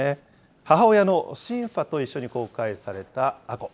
母親のシンファと一緒に公開された杏香。